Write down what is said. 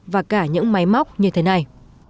và cả những máy móc như thế này